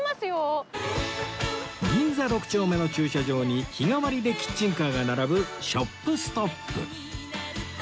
銀座６丁目の駐車場に日替わりでキッチンカーが並ぶ ＳＨＯＰＳＴＯＰ